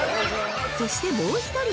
◆そして、もう１人！